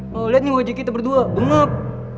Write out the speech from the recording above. lo liat nih wajah kita berdua bengap